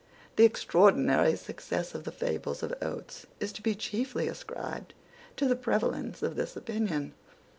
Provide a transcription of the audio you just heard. The extraordinary success of the fables of Oates is to be chiefly ascribed to the prevalence of this opinion.